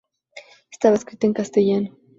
Estaba escrita en castellano.